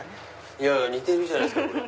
いやいや似てるじゃないですか。